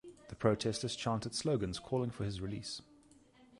The protesters chanted slogans calling for his release.